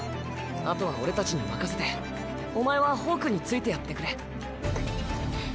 あとは俺たちに任せてお前はホークに付いてやってくれ。